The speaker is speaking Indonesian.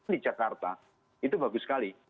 di jakarta itu bagus sekali